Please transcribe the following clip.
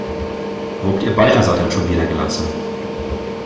Wo habt ihr Balthasar denn schon wieder gelassen?